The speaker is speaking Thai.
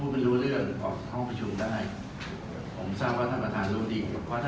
เพราะท่านประธานลุยดี